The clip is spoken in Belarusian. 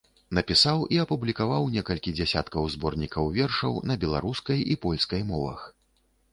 Напісаў і апублікаваў некалькі дзесяткаў зборнікаў вершаў на беларускай і польскай мовах.